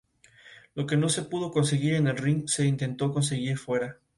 Es el asiento de la Administración Apostólica latina del Cáucaso.